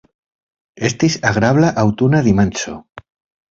Estis agrabla aŭtuna dimanĉo.